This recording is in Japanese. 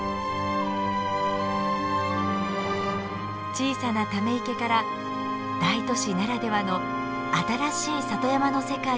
小さなため池から大都市ならではの新しい里山の世界が広がり始めています。